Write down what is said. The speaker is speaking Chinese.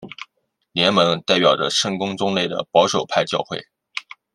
联盟代表着圣公宗内的保守派教会。